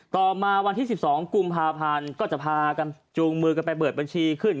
ต่อมาวันที่๑๒กุมภาพันธ์ก็จะพากันจูงมือกันไปเปิดบัญชีขึ้น